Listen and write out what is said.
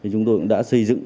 chúng tôi cũng đã xây dựng